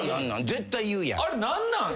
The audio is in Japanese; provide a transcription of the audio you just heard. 絶対言うやん。